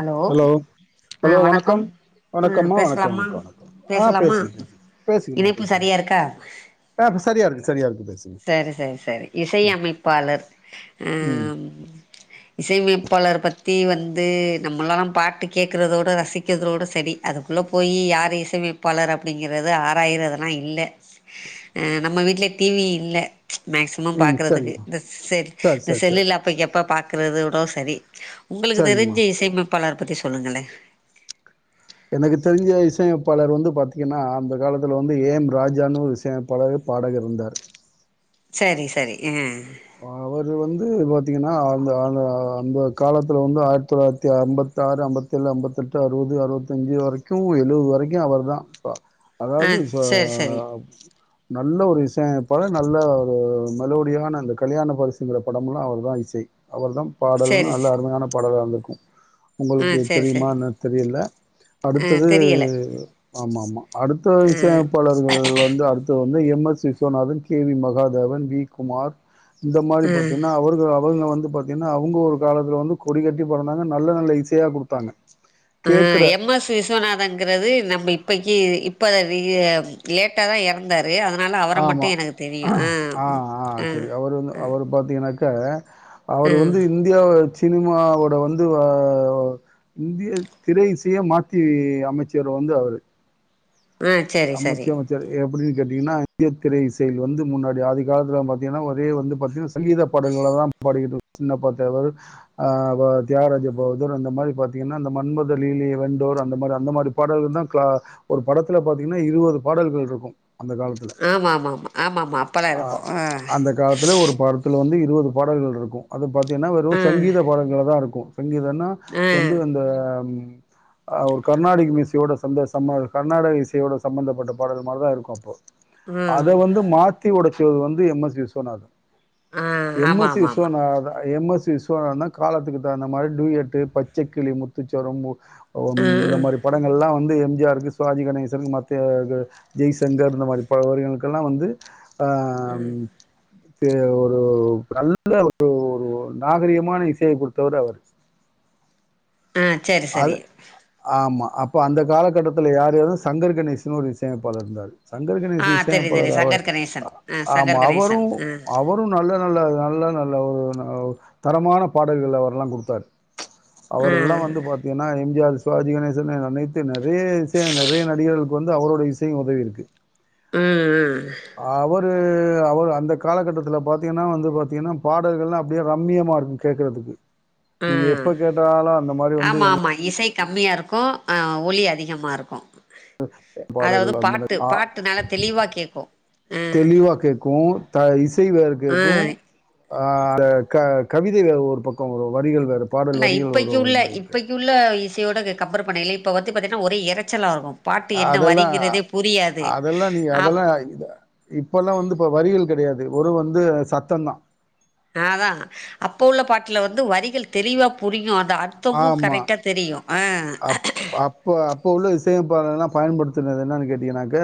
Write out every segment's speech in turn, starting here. Hello hello வணக்கம் ஆ வணக்கம்மா வணக்கோ பேசலாமா வணக்கோ வணக்கோ ஆ பேசலாமா பேசுங்க பேசுங்க பேசுங்கம்மா இணைப்பு பேசுங்க சரியா இருக்கா ஆ இப்ப சரியா இருக்கு சரியா இருக்கு பேசு சரி சரி சரி இசையமைப்பாளர் அ ம் இசையமைப்பாளர் பத்தி வந்து நம்மலாம் பாட்டு கேட்கறதோட ரசிக்கிறதோடு சரி அதுக்குள்ள போயி யார் இசையமைப்பாளர் அப்டிங்கிறது ஆறாயிரதெல்லா இல்ல அ நம்ம வீட்ல டி வி இல்ல மேக்சிமம் ம் பாக்குறதுக்கு சரிங்கம்மா இந்த செல் சரி இந்த சரி சரி செல்லுல அப்பைக்கு அப்ப பாக்குறது வுடோ சரி ஒங்களுக்கு சரிங்கம்மா தெரிஞ்ச இசையமைப்பாளர் பத்தி சொல்லுங்களே எனக்கு தெரிஞ்ச இசையமைப்பாளர் வந்து பாத்தீங்கன்னா அந்த காலத்துல வந்து ஏம் ராஜா இசையமைப்பாளரு பாடகர் ருந்தார் சரி சரி அ அவரு வந்து பாத்தீங்கன்னா அந்த அங்க அந்த காலத்தல வந்து ஆயிரத்து தொள்ளாயிரத்தி ஐம்பத் த்தாறு ஐம்பத்தேழு ஐம்பத்தெட்டு அறுபது அறுபத்தஞ்சி வரைக்கும் எழுபது வரைக்கும் அவரு தான் அப்ப ஆ அதாவது ச சரி சரி நல்ல ஒரு இசையமைப்பாளர் நல்ல ஒரு மெலோடியான இந்த கல்யாண பரிசுங்கிற படம் எல்லாம் அவர் தான் இசை அவர தான் பாடல்லா சரி நல்ல ச அருமையான பாடலாகருந்துருக்கும் ஆ உங்களுக்கு சரி சரி தெரியுமானு தெரியில ஆ அடுத்தது தெரியல ஆமா ஆமா அடுத்த ஆ இசையமைப்பாளர்கள் வந்து அடு வந்து M S Viswanathan K V Mahadevan V Kumar இந்த மாரி பாத்தீங்கன்னா அவர்கள் அவங்க வந்து பாத்தீங்கன்னா அவங்க ஒரு காலத்துல வந்து கொடிகட்டி பறந்தாங்க நல்ல நல்ல இசையா குடுத்தாங்க ஆ கேக்குற எம் எஸ் விஸ்வநாதங்கறது நம்ம இப்பக்கி இப்ப இ அ லேட் ட்டா தா எறந்தாரு அதனால அவர ஆமா மட்டும் எனக்கு தெரியும் ஆ ஆ ஆ ச்சாக அவரு வந்து இந்தியா சினிமாவோட வந்து அ ஒ இந்திய திரை இசைய மாத்தி அமைச்சர் வந்து அவரு ஆ சரி சரி அமைச்சாது எப்படின் கேட்டீங்கன்னா ஐத்தியதிரை செயல் வந்து முன்னாடி ஆதி காலத்தல பாத்தீங்கன்னா ஒரே வந்து பாத்தீன்னா சங்கீத படங்களள தான் படிக்கிட்டு சின்னப்பா தேவர் அ தியாகராஜ பகதூர் அந்த மாரி பாத்தீங்கன்னா அந்த மன்மத லீலை வென்றோர் அந்த பட அந்த மாரி பாடல் தா க்ளா ஒரு படத்துல பாத்தீங்கன்னா இருபது பாடல்கள் இருக்கும் அந்த காலத் ஆமாம் ஆமாம் ஆமாம் ஆமாம் ஆமாம் அப்போல்லாம் ஆ இருக்கும் அந்த காலத்துல ஒரு பாடல் இதுல வந்து இருபது பாடல்கள் இருக்கும் அது பாத்திங்கன்னா வெறும் ஆ சங்கீத பாடல்களா தா இருக்கும் சங்கீதம்னா ஆ வந்து அந்த ம் அ ஒரு கர்நாடிக மியூசிக் ஓட சந்த ச கர்நாடக இசை தியோட சம்பந்தப்பட்ட பாடல் மாரி தான் இருக்கும் அப்போ ம் அத வந்து மாத்தி தி ஒடச்சது வந்து எம் எஸ் விஸ்வநாதன் ஆ எம் ஆமாம் எஸ் சி ஆமாம் ஆமாம் Viswanathan M S Viswanathan தான் காலத்துக்கு தகுந்த மாரி டுயட்டு பச்சைக்கிளி முத்துச்சரம் ஆ இந்த ஆ மாரி படங்கள்லாம் வந்து எம் ஜி ஆருக்கு சுவாஜி கணேசஷ் திரும்ப மத்திய ஜெய்சங்கர் இந்த மாரி அவர்களுக்கெல்லாம் வந்து ஆ ஒரு நல்ல ஒரு ஒரு நாகரீகமான இசையை கொறுடுத்தவர் அவரு ஆ சேரி செரி ஆமா அப்ப அந்த காலகட்டத்துல யார் யார்து சங்கர் கணேசனு ஒரு இசையமைப்பாளர் இருந்தாரு சங்கர் ஆ கணேசி தெரியும் இசையமைபாளர் தெரியும் அவர் சங்கர் கணேசன் ஆ ஆமா சங்கர் கணேசன் அவரும் ஆ அவரும் கும் நல்ல நல்ல நல்ல நல்ல ஒரு தரமான பாடல்கள அவர எல்லாம் குடுத்தாரு அவரு ஆ எல்லாம் ம் வந்து பாத் ஏன்னா M G R Sivaji Ganesan அனைத்து நெறைய இசையம் நெறைய நடிகர்களுக்கு வந்து அவரோடைய இசையும் உதவி இருக்கு ம் ம் அவரு அவர் அந்த காலகட்டத்தல பாத்தீங்கன்னா வந்து பாத்தீங்கன்னா பாடல்கள்லாம் அப்டியே ரம்யமா இருக்கும் கேக்கறதுக்கு ஆ நீங்க எப்ப கேட்டாலா ஆமா ஆமா இசை கம்மியா இருக்கும் ஆ ஒளி அதிகமா இருக்கும் அதாவது பாட்டு அ பாட்டு நல்லா தெளிவா கேக்கோ தெளிவா கேக்கும் த இசை வேற ஆ கேக்கும் ஆ அத க கவிதை வே ஒரு பக்கோம் ஒரு வரிகள் வேற பாடல் இல்ல வரிகள் இப்பைக்கு வரும் ஒரு உள்ள மாதிரி இருக்கு இப்பைக் உள்ள இசையோட கம்பேர் பண்ணைலே இப்போ வந்து பாத்தீங்கனா ஒரே எறச்சலா இருக்கு பாட்டு என்ன அதெல்லாம் வரீங்கறதே புரியாது அ இதுதா இப்பல்லா வந்து இப்ப வரிகள் கெடையாது ஒரு வந்து சத்தந்தா ஆதா அப்ப உள்ள பாட்ல வந்து வரிகள் தெளிவா புரியு அந்த அர்த்தமு ஆமா கரெக்டா தெரியு ஆ அப் அப்ப அப்ப உள்ள இசையப்ப எல்லா பயன்படுத்துனது என்னன் கேட்டீங்கன்னாக்க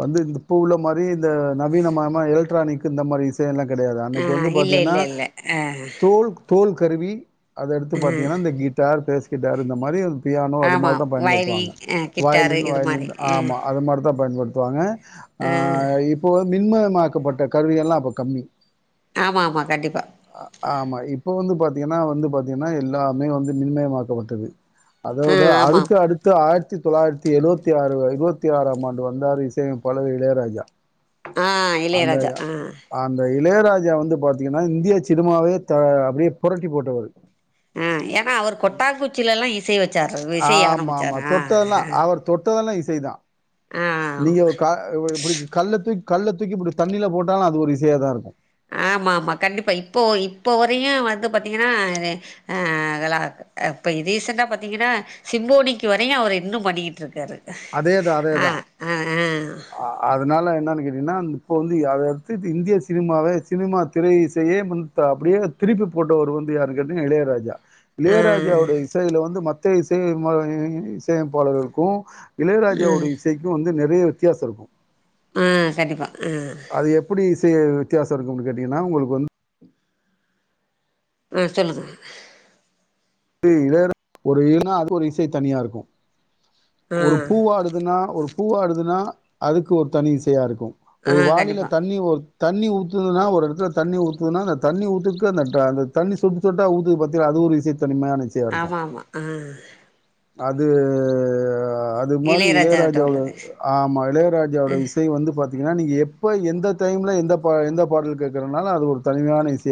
வந்து இந்த பூல மாரி இந்த நவீன மாமா எலக்ட்ரானிக் இந்த மாதிரி தேன்லா கடையாது ஆ அன்னைக்கு வந்து இல்ல பாத்தீங்கன்னா இல்ல இல்ல ஆ தோல் தோல் கருவி அத எடுத்து பாத்திங்கன்னா இந்த கிட்டார் பேஸ்கிட்டார் இந்த மாரி ப்யானோ ஆமா அதுமாரிதா பயன்படுத்துவாங்க வயலின் ஆ கிட்டாரு வயலின் இது வயலின் மாரி ஆ ஆமா அதுமாரிதா பயன்படுத்துவாங்க ஆ இப்போ வ மின்மயமாக்கப்பட்ட கருவிய எல்லா அப்ப கம்மி ஆமா ஆமா கண்டிப்பா ஆமா இப்ப வந்து பாத்தீங்கன்னா வந்து பாத்தீங்கன்னா எல்லாமே வந்து மின்மயமாக்கப்பட்டது ஆ அதோட ஆமா அதுக்கு ஆமா அடுத் த்து ஆயிரத்தி தொள்ளாயிரத்தி எழுவத்தி ஆறு எழுபத்தி ஆறாம் ஆண்டு வந்தாரு இசையமைபாலர் இளையராஜா உ அந்த அந்த இளையராஜா வந்து பாத்திங்கன்னா இந்திய சினிமாவே த அப்படியே புரட்டி போட்டவரு ஆ எனா அவரு கொட்டா குச்சிலலா இசை வெச்சாரு இசைய ஆரம்பிச்சாருங்க தொட்டதெல்லா இசைதா நீங்க க இப்டி கல்லத்துக் கல்லத்துக்கி இப்டி தண்ணில போட்டாலு அது ஒரு இசையாதா இருக்கு ஆமா ஆமா கண்டிப்பா இப்போ இப்போ வரையு வந்து பாத்தீங்கன்னா ஆ நல்லாக்கு அப்ப ரீசண்டா பாத்தீங்கன்னா சிம்போனிக்கு வரையு அவரு இன்னு பண்ணிகிட்டு இருக்காரு அதேதா அதேதா அ ஆ அதனால வந்து அன்னிக் என்னான் இப்போ வந்து அத அடுத்தது இந்திய சினிமாவே சினிமா திரை இசையே முன் ப அப்டியே திருப்பி போட்டவரு வந்து யாரு கேட்டிங்னா இளையராஜா ஆ இளையராஜாவுடைய இசைல வந்து மத்த இசை இசையமைப்பாளர்களுக்கு இளையராஜாவுடைய இசைக்கு வந்து நறைய வித்தியாசோ இருக்கு ஆ கண்டிப்பா ஆ அது எப்டி செய் வித்தியாசோ இருக்கும்னு கேட்டிங்கன்னா உங்களுக்கு வந்து ஆ சொல்லுங்க து இளையரா ஒரு [inaudible] அது ஒரு இசை தனியா இருக்கு ஆ ஒரு பூவாடுதுன்னா ஒரு பூவாடுதுன்னா அதுக்கு ஒரு தனி இசையா இருக்கு ஆ ஒரு வாளில கண்டிப்பா தண்ணி ஒ தண்ணி ஊத்துதுன்னா ஒரு எடத்துல தண்ணி ஊத்துதுன்னா அந்த தண்ணி ஊத்துக்கு அந்த அந்த தண்ணி சொட்டு சொட்டா ஊத்துது பாத்தீங்ளா அது ஒரு இசை தனி மேனேஜி ஆமா ஆமா ஆ அதூ அ அது மாரி இளையராஜா கிட்ட இளையராஜாவுட உள்ளது ஆமா இளையராஜாவுட இசை வந்து பாத் தீங்கனா நீங்க எப்ப எந்த டைம்ல எந்த பா எந்த பாடல் கேக்றனாலு அது ஒரு தனிமையான இச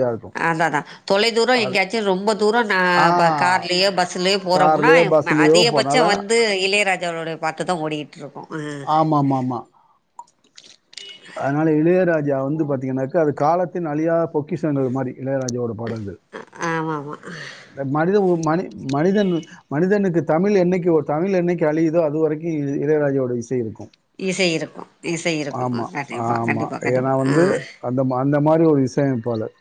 அதா அதா தொலைதூரோ எங்கயாச்சு ரொம்ப தூரோ நா ஆ கார்லயோ பஸ் பஸ்லயே போறோமுனா கார்லயோ பஸ்லயோ அதிகபட்சோ போனால வந்து இளையராஜாவுடைய பாட்டுதா ஓடிகிட்ருக்கு ஆமா ஆமா ஆமா [inaudible] அதனால இளையராஜா வந்து பாத்தீங்கன்னாக்க அது காலத்தின் அழியா பொக்கிஷன்றது மாரி இளையராஜா ஓட அ ஆமா ஆமா மனித உ மனி மனிதன் மனிதனுக்கு தமிழ் எண்னைக்கு ஒரு தமிழ் எண்னைக்கு அழியுதோ அது வரைக்கு இ இளையராஜாவோட இசை இருக்கு இசை இருக்கு இசை இருக்கு கண்டிப்பா ஆமா கண்டிப்பா கண்டிப்பா ஏன்னா ஆ வந்து அந்த மா அந்த மாரி ஒரு இசையமைப்பாளர்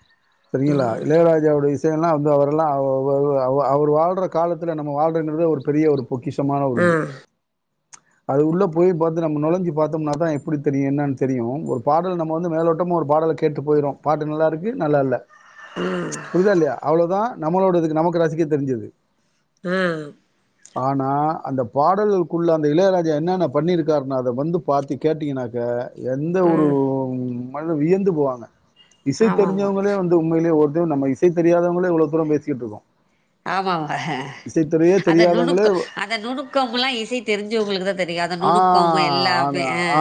சரிங்களா இளையராஜாவோட இசையெல்லா வந்து அவரெல்லா அவ அவ அவ அவ அவர் வாழ்ற காலத்துல நம்ம வாழ்றன்குறது ஒரு பெரிய ஒரு பொக்கிஷமான ஒரு ஆ இது அது உள்ள போய் பாத்து நம்ம நுழஞ்சு பாத்தோம்னாதா இப் டி தெரியு என்னன் தெரியு ஒரு பாடல் நம்ம வந்து மேலோட்டமா ஒரு பாடல கேட்டு போயிடுவோ பாட்டு நல்லா இருக்கு நல்லா இல்ல. புரியுதா இல்லையா அவ்ளவுதா நம்மளோட இதுக்கு நமக்கு ரசிக்க தெரிஞ்சது ஆ ஆனா அந்த பாடலுக்குள்ள அந்த இளையராஜா என்னன்ன பண்ணிருக்காருனு அத வந்து பாத்து கேட்டீங்கன்னாக்க எந்த ஒரு ம் மனித வியந்து போவாங்க. இசை ஆமாமா தெரிஞ்சவங்களே வந்து உண்மையிலே வந்து நம்ம இசை தெரியாதவங்களே எவ்வளோ தூரோ பேசிட்டு இருக்கோ ஆமா வ அந்த தெரியாதவங்களே நுணுக்கு அந்த நுணுக்கம்லா இசை தெரிஞ்சவங்களுக்கு தா தெரியு அத ஆ நுணுக் கம் எல்லாமே ஆ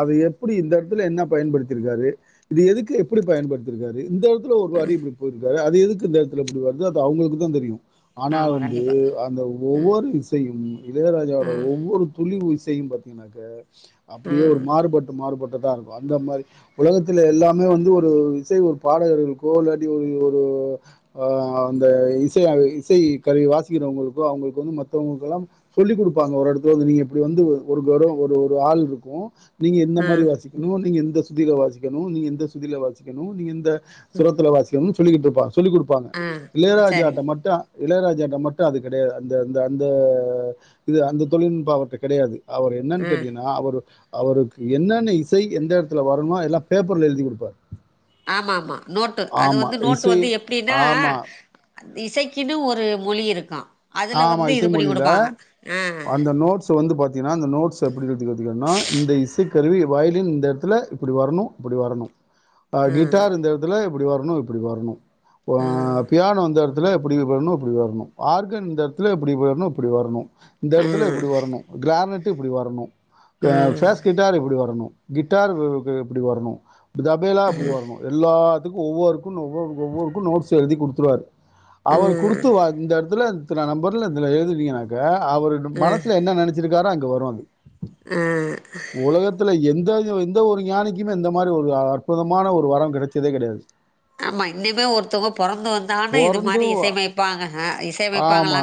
அது எப்டி இந்த எடத்துல என்ன பயன்படுத்திருக்காரு இது எதுக்கு எப்டி பயன்படுத்திர்காரு இந்த இதுல ஒரு வரி இப்டி போயிருக்காரு அது எதுக்கு இந்த இடத்துல இப்டி வருது அது அவங்களுக்கு தா தெரியு ஆனா ஆமா வந்து கண்டிப்பா அந்த ம் ஒவ்வொரு இசையும் இளையராஜாவோட ம் ஒவ்வொரு துலிவு இசையு பாத்தீங்கன்னாக்க அப்டியே ஒரு மாறுபட்டு மாறுபட்டுதா இருக்கு அந்த மாரி உலகத்துல எல்லாமே வந்து ஒரு இசை ஒரு பாடகர்களுக்கோ இல்லாட்டி ஒரு ஒரு ஆ அந்த இசை அது இசை கருவி வாசிக்கிறவங்களுக்கு அவங்களுக்கு வந்து மத்தவங்களுக்கெல்லா சொல்லி் கொடுப்பாங்க ஒரு எடத்துல வந்து நீங்க இப்டி வந்து ஒரு குரொ ஒரு ஒரு ஆள் இரு ப்போ நீங்க எந்த மாரி ம் வாசிக்கணு நீங்க எந்த சுதியில வாசிக்கணு நீங்க எந்த சுதியில வாசிக்கணு நீங்க எந்த சுரத்துல வாசிக்கணும்னு சொல்லிக்கிட்டு இருப்பா சொல்லி குடுப்பாங்க ம் ஆ இளையராஜாட்ட சரிங்க மட்டு இளையராஜாட்ட மட்டு அது கெடையாது அந்த அந்த அந்த இது அந்த தொழில்நுட்ப அவர்ட்ட கெடையாது. அவர் என்னன்னு ம் கேட்டீங்கன்னா அவரு அவருக்கு என்னென்ன இசை எந்த எடத்துல வரனு எல்லா பேப்பர்ல எழுதி குடுப்பார் ஆமா ஆமா நோட்டு அது வந்து நோட்டு இசை வந்து எப்டின்னா ஆமா அந்த இசைக்குன்னு ஒரு மொழி இருக்கா அதுல ஆமா வந்து இது பண்ணி கொடுப்பாங்க ஆ சோ வந்து பாத்தீங்கன்னா அந்த நோட்ஸ் எப் இருக்கு பாத்திங்கன்னா இந்த இசைக்கருவி வயலின் இந்த எடத்துல இப்டி வரணு இப்டி வரணு அ ம் கிட்டார் இந்த எட துல இப்டி வர்ணு இப்டி வர்ணு அ ம் பியானோ இந்த எடத்துல இப்டி வர்ணு இப்டி வர்ணு இது இந்த எடத்துல இப்டி வர்ணு இப்டி வர்ணு இந்த எடத்துல ம் இப்டி வர்ணு கிரானட்டு இப்டி வர்ணு பே ம் ஃபேஸ்கிட்டார் இப்டி வர்ணு கிட்டார் அ கு இப்டி வர்ணு தபேலா இப்டி வர்ணு எல்லாத்துக்கு ஒவ்வொருக்கு ஒவ்வொரு ஒவ்வொருக்கு நோட்ஸ் எழுதி குடுத்துருவாரு அவர் ம் கொடுத்து வ இந்த எடத்துல இத்தன நம்பர்ல இத்தன எழுதுவீங்கன்னாக்க அவரு மனசுல என்ன நெனைச்சிருக்காரோ அங்க வரு அது ம் உலகத்துல எந்த இது எந்த ஒரு ஞானி கிம இந்த மாரி ஒரு அற்புதமான ஒரு வரோ கெடைச்சதே கெடையாது. ஆமா இன்னிமே ஒருத்தவங்க பொறந்து வந்தான்னு இது மாரி பொறந்தும் இசையமைப்பாங்க அ இச் ஆமா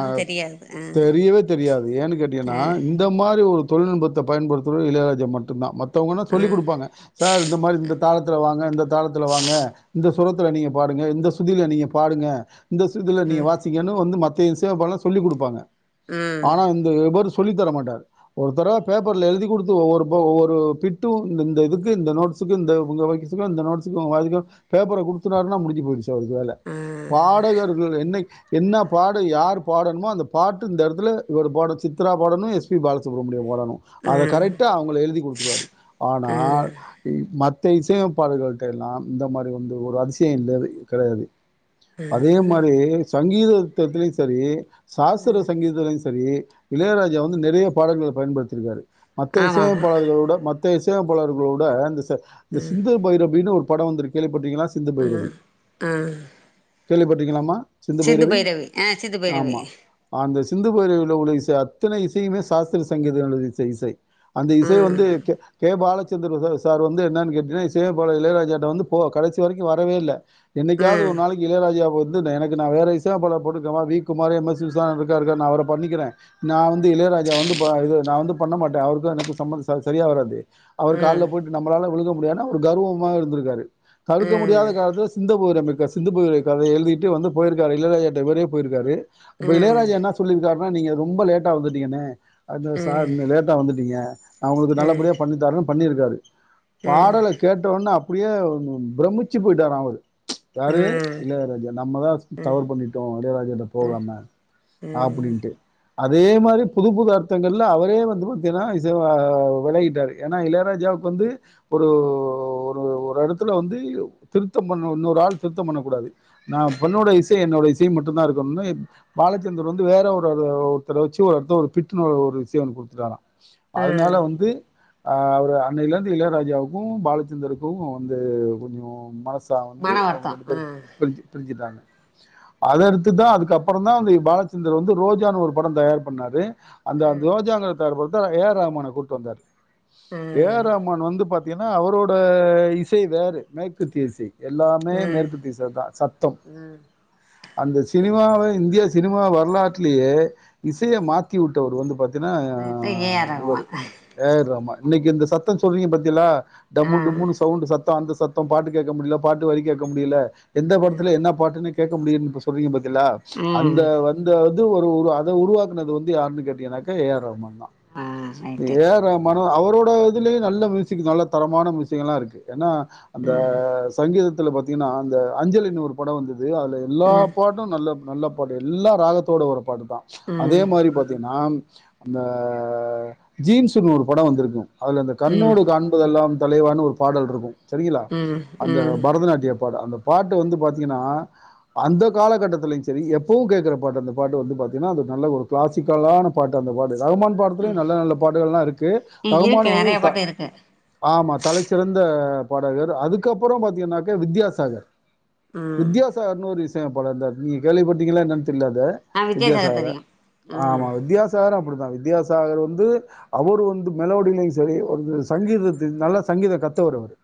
தெரியவே தெரியாது ஏன்னு கேட்டீன்னா ஆ இந் த மாதிரி ஒரு தொழில்நுட்பத்த பயன்படுத்துறது இளையராஜா மட்டு தா மத்தவங்கனா சொல்லி குடுப்பாங்க சார் இந்த மாரி இந்த தாளத்துல வாங்க இந்த தாளத்துல வாங்க. இந்த சுரத்துல நீங்க பாடுங்க இந்த சுதியில நீங்க பாடுங்க இந்த சுருதில நீங்கள் வாசிக்கனு வந்து மத்த இசையமைப்பாளர்லா சொல்லி கொடுப்பாங்க ம் ஆனா வந்து இவரு சொல்லி தரமாட்டாரு ஒருதடவ பேப்பர்ல எழுதி கொடுத்து ஒவ்வொருபோ ஒவ்வொரு பிட்டும் இந்த இந்த இதுக்கு இந்த நோட்ஸ் சுகுந்த உங்க வாய்ஸ்க்கு இந்த நோட்ஸ்க்கு [unintelligible] பேப்பர குடுத்துட்டாருனா முடிஞ்சு போயிருச்சு அவருக்கு வேல பாடகர்கள் என்னைக் என்ன பாட யார் பாடணமோ அந்த பாட்டு இந்த இடத்துல இவர் பாட சித்ரா பாடணு எஸ் பி பாலசுப்ரமணியம் பாடணு அத கரெக்டா அவங்களுக்கு எழுதி கொடுத்துருவாரு ஆனால் மத்த இசையமைப்பாளர்கள்டெல்லாம் இந்த மாரி வந்து ஒரு அதிசயம் இல்லவே கிடையாது அதே மாதிரி [unintelligible] சங்கீதவித்தத்திலு செரி சாஸ்திர சங்கீதத்திலு செரி இளையராஜா வந்து நெறைய பாடல்கள பயன்படுத்தியிருக்காரு மத்த ஆமா ஆமா இசையமைப்பாளர்களோட மத் த இசைய அப்பாளர்களோட இந்த சிந் இந்த சிந்த பைரபினு ஒரு படம் வந்து கேள்விப்பட்டீக்காள சிந்து பைரவி ம் கேள்விப்பட்டிகலாமா சிந்து பைரவி ஆ சிந்து பைரவி அந்த சிந்து பைரவில உள்ள இசை அத்தனை இசையுமே சாஸ்திரிய சங்கீதய [unintelligible] இசை அந்த இசை வந்து ம் பே கே பாலச்சந்திரு சார் வந்து என்னன்னு கேட்டீன்னா இசையமைப்பாளர் இளையராஜட்ட வந்து போ கடைசி வரைக்கு வரவே இல்லை என்னைக்காவது ம் ஒரு நாளைக்கு இளையராஜா வந்து எனக்கு நான் வேற இசையமைப்பாளர் போட்டு V Kumar M S V Viswanathan இருக்காரு இருக்கார் அவரை பண்ணிக்கிறன் நான் வந்து இளையரா ஜா வந்து பா இது நான் வந்து பண்ண மாட்டேன் அவருக்கும் எனக்கு சம்பம் சரியா வராது அவரு ம் கால்ல போயிட் நம்மளால விழுக்க முடியாதுன்னு ஒரு கர்வமா இருந்திருக்கரு தடு்க்க முடியாத ம் காலத்தில் செ சிந்தூர்மைக்க சிந்து பூர் கதை எழுதிட்டு வந்து போயிருக்காரு இளையராஜா கிட்ட இவறே போயிருக்காரு அப்ப ம் இளையராஜ என்ன சொல்லிருக்காரு நீங்க ரொம்ப லோட்ட வந்துட்டீங்கன்னே அது சார் லோட் லோட்ட வந்துட்டீங்க நான் உங்களுக்கு ம் நல்லபடியா பண்ணித்தரன்னூ பண்ணியிருக்காரு பாடல கேட்டொன்னே அப்படியே பிரமிச்சி போய்டிட்டார் அவுரு யாரு ம் இளையராஜா நம்ம தான் ம் தவறு பண்ணிட்டோ இளையராஜாட்ட போகாம அப்டின்டு அதே மாரி புது புது அர்த்தங்கள்ல அவரே வந்து பாத்திங்கன்னா இசை விலகிட்டாரு ஏன்னா இளையராஜாவுக்கு வந்து ஒரு ஒரு ஒரு இடத்துல வந்து திருத்த பண்ண இன்னொரு ஆள் திருத்தம் பண்ண கூடாது நா பண்ணோட இசை என்னோட இசை மட்டும்தான் இருக்கணுனு பாலச்சந்திரு வந்து வேற ஒரு ஓ ஒருத்தர வச்சு ஒரு இடத்த ஒரு [unintelligible] ஒரு சேவன் கொடுத்துட்டாரா அதனால ம் வந்து அ அவரு அன்னையில இருந்து இளையராஜாவுக்கு பாலச்சந்தருக்கு வந்து கொஞ்சோ மனசு சா வந்து மன அவங்க வருத்தோ ரெண்டு பேரு ஆ வந்து பிரிஞ்சு பிரிஞ்சிட்டாங்க அத அடுத்துதான் அதுக்கபுறோ தான் வந்த பாலச்சந்திர வந்து ரோஜான்னு ஒரு படம் தயார் பண்ணாரு அந்த அந்த ரோஜாங்க தர பொறுத்த ஏ ஆர் ராகுமான கூட்டு வந்தாரு அ ஏ ஆர் ராகும்மான் வந்து பாத்தீங்கன்னா அவரோட இசை வேறு மேற்குத்தி இசை எல்லாமே ம் மேற்கு தீசை தான் சத்தம் அந்த சினிமாவே இந்தியா சினிமா வரலாற்றிலேயே இசையை மாத்திவுட்டவர் வந்து பாத் தின்னா இது ஏ ஆர் இவரு ரகுமான் ஏ ஆர் ரகுமான் இன்னைக்கு இந்த சத்தோ சொல்லியும் பத்தீலா டம்மு ஆ டும்முன்னு சவுண்ட் சத் தோ அந்த சத்தம் பாட்டு கேட்க முடியல பாட்டு வரி கேட்க முடியல எந்த படத்தில என்ன பாட்டுன்னு கேட்க முடியுப்பசொல் புரியு பத்தேளா அந்த ம் ஆ வந்து அ இது ஒரு ஒரு அத உருவாக்குனது வந்து யாருன்னு கேட்டீங்கா ஏ ஆர் ராகுமான் தான் ஆ right A R Rahman அவரோட இதுலேயே நல்ல மியூசிக் நல்ல தரமான மியூசிக் எல்லா இருக்கு ஏன்னா அந்த ம் சங்கீதத்துல பாத்தீங்கன்னா அந்த அஞ்சலின் ஒரு படோ வந்தது அதுல எல்லா ம் பாட்டு நல்ல நல்ல பாட்டு எல்லா ராகத்தோட வர பாட்டு தா அதே ம் மாரி பாத்தீங்கன்னா அந்த ஜீம்ஸ்ன்னு ஒரு படோ வந்துருக்கு அதுல அந்த ம் கண்ணோடு காண்பதெல்லாம் தலைவான்னு ஒரு பாடல் இருக்கு சரிங்களா ம் அந்த ம் பரதநாட்டிய பாடல் அந்த பாட்டு வந்து பாத்தீங்கன்னா அந்தக் எந்த காலகட்டத்திலு சரி எப்போவு கேட்கற பாட்டு அந்த பாட்டு வந்து பாத்தின்னா நல்ல ஒரு கிளாசிக்கலான பாட்டு அந்த பாட்டு ரகுமான் பாத்துலயு நல்ல நல்ல பாட்டுகள்ல்லா இருக்கு இருக்கு ரகுமான் வந்து நெறைய தா பாட்டு இருக்கு ஆமா தலைச்சிறந்த பாடகர் அதுக்கு அப்புறோ பாத்தீங்கன்னாக்க வித்யாசாகர் ம் வித்தயாசார்னு ஒரு இசையமைப்பாளர்ந்தார் நீங்க கேள்விப்பட்டிங்களான் என்னன் தெர்ல்ல அத ஆ வித்யாசாகர் தெரியு ம் ஆமா வித்யாசாகரு அப்படிதா வித்யாசாகர் வந்து அவரு வந்து மெலோடியிலு சரி ஒரு சங்கீதத்து நல்ல சங்கீத கத்தவர் அவரு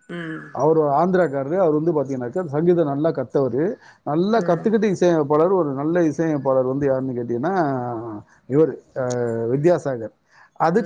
ம் அவரு ஆந்திராக்காரதா அவர் வந்து பாத்தீங்கன்னாக்க சங்கீதம் நல்லா கத்தவரு நல்லா ம் கத்துக்கிட்டு இ சையமைப்பாளர் ஒரு நல்ல இசையமைப்பாளர் வந்து யாருன்னு கேட்டீங்கன்னா ஆ இவர் ஆ வித்யாசாகர் அதுக்